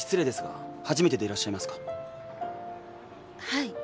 はい。